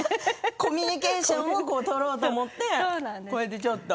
コミュニケーション取ろうと思ってちょっと？